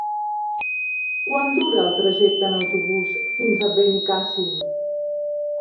Quant dura el trajecte en autobús fins a Benicàssim?